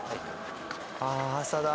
あっ朝だ。